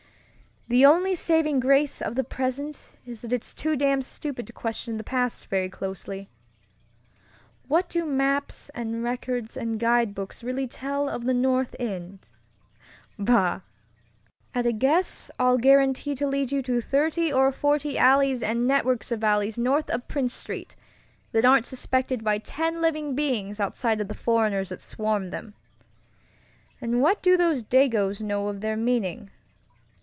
"The only saving grace of the present is that it's too damned stupid to question the past very closely. What do maps and records and guidebooks really tell of the North End? Bah! At a guess I'll guarantee to lead you to thirty or forty alleys and networks of alleys north of Prince Street that aren't suspected by ten living beings outside of the foreigners that swarm them. And what do those Dagoes know of their meaning?